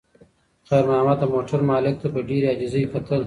خیر محمد د موټر مالک ته په ډېرې عاجزۍ کتل.